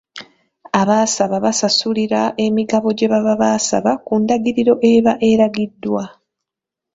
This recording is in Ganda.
Abasaba basasulira emigabo gye baba basaba ku ndagiriro eba eragiddwa.